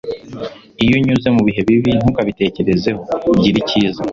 iyo unyuze mubihe bibi, ntukabitekerezeho. gira icyiza